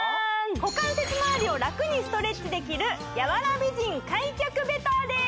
股関節周りをラクにストレッチできる柔ら美人開脚ベターです